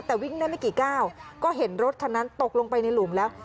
แต่วิ่งได้ไม่กี่ก้าวก็เห็นรถคันนั้นตกลงไปในหลุมแล้ว